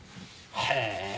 へえ。